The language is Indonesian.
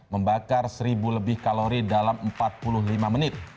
membakar seribu lebih kalori dalam empat puluh lima menit